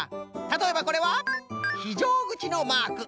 たとえばこれはひじょうぐちのマーク。